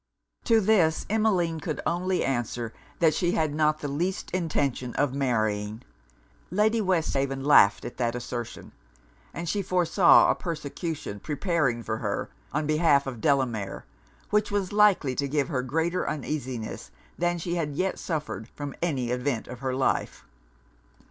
To this, Emmeline could only answer that she had not the least intention of marrying. Lady Westhaven laughed at that assertion. And she foresaw a persecution preparing for her, on behalf of Delamere, which was likely to give her greater uneasiness than she had yet suffered from any event of her life.